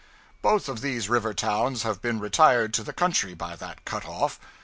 Both of these river towns have been retired to the country by that cut off.